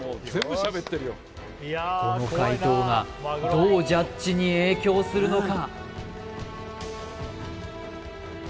この回答がどうジャッジに影響するのか？